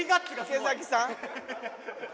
池崎さん。